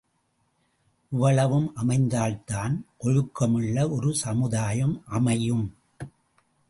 இவ்வளவும் அமைந்தால்தான் ஒழுக்கமுள்ள ஒரு சமுதாயம் அமையும்.